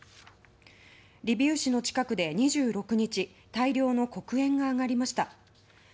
リビウ市の近くで２６日大量の黒煙が上がりました。